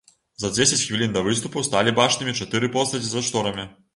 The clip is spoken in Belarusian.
За дзесяць хвілін да выступу сталі бачнымі чатыры постаці за шторамі.